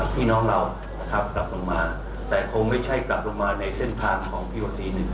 พี่น้องเรานะครับกลับลงมาแต่คงไม่ใช่กลับลงมาในเส้นทางของพี่วัคซีนหนึ่ง